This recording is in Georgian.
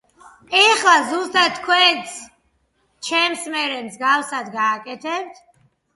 ამის გამო ჯგუფი კვლავ დაშლის პირას დადგა, მაგრამ გიტარისტ ეჯის დახმარებით პრობლემა გადაწყდა.